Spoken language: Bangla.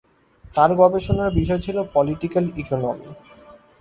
তার গবেষণার বিষয় ছিল "পলিটিক্যাল ইকোনমি"।